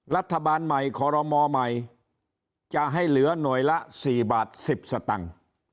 รัฐบาลใหม่คอรมอใหม่จะให้เหลือหน่วยละ๔บาท๑๐สตังค์